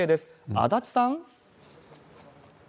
足立さん。